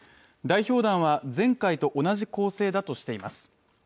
代表団は前回と同じ構成だとしています。